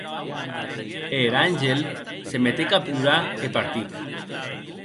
E er àngel se metec a plorar e partic.